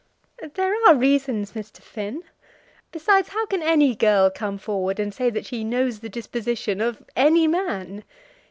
"There are reasons, Mr. Finn. Besides, how can any girl come forward and say that she knows the disposition of any man?